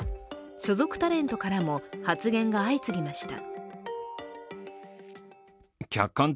所属タレントからも発言が相次ぎました。